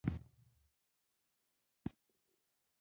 د سیمې او نړۍ بلاوې مو په اوښیártیا څاري.